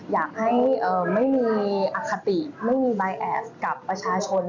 อยากให้ไม่มีอคติไม่มีใบแอบกับประชาชน